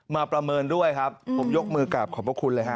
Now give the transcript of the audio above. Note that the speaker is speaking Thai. ประเมินด้วยครับผมยกมือกลับขอบพระคุณเลยฮ